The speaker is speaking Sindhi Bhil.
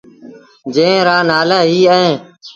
جݩهݩ رآ نآلآ ايٚ اوهيݩ۔